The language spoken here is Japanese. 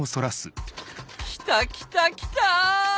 来た来た来た！